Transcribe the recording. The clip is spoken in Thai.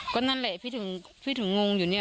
ก็นั่นแหละพี่ถึงพี่ถึงงงอยู่เนี่ย